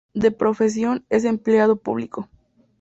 De profesión es empleado público.